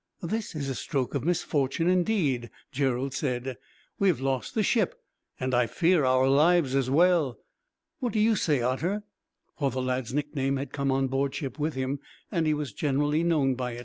"This is a stroke of misfortune, indeed," Gerald said. "We have lost the ship, and I fear our lives, as well. "What do you say, Otter?" For the lad's nickname had come on board ship with him, and he was generally known by it.